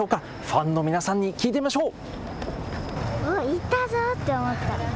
ファンの皆さんに聞いてみましょう。